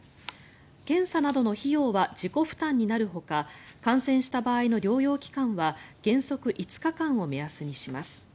検査などの費用は自己負担になるほか感染した場合の療養期間は原則５日間を目安にします。